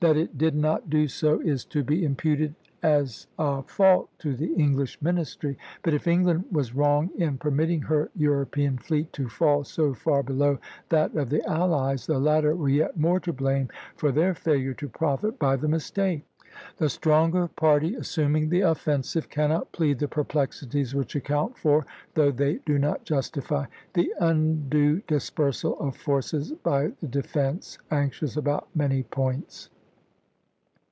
That it did not do so is to be imputed as a fault to the English ministry; but if England was wrong in permitting her European fleet to fall so far below that of the allies, the latter were yet more to blame for their failure to profit by the mistake. The stronger party, assuming the offensive, cannot plead the perplexities which account for, though they do not justify, the undue dispersal of forces by the defence anxious about many points.